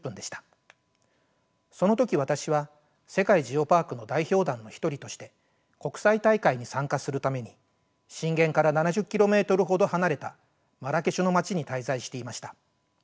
その時私は世界ジオパークの代表団の一人として国際大会に参加するために震源から７０ｋｍほど離れたマラケシュの街に滞在していました。